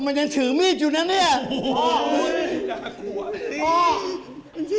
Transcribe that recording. มันยังถือมีดอยู่นะเนี่ย